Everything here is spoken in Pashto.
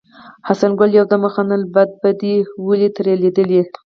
حسن قلي يودم وخندل: بد به دې ولې ترې ليدل.